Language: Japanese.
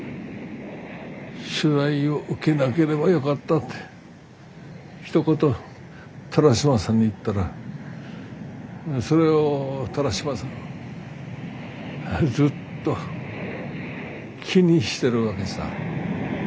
「取材を受けなければよかった」ってひと言田良島さんに言ったらそれを田良島さんずっと気にしてるわけさ。